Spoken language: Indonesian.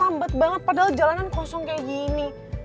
lambat banget padahal jalanan kosong kayak gini